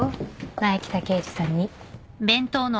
前来た刑事さんに。